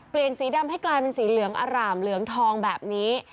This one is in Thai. สีดำให้กลายเป็นสีเหลืองอร่ามเหลืองทองแบบนี้